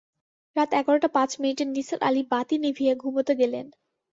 রাত এগারটা পাঁচ মিনিটে নিসার আলি বাতি নিভিয়ে ঘুমুতে গেলেন।